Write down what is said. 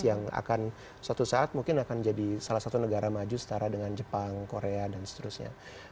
yang akan suatu saat mungkin akan jadi salah satu negara maju setara dengan jepang korea dan seterusnya